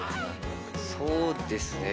そうですね。